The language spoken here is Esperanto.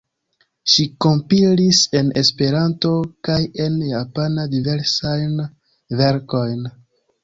Ŝi kompilis en Esperanto kaj en japana diversajn verkojn.